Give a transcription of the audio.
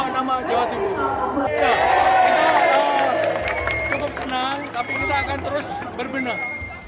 cukup senang tapi kita akan terus berbenah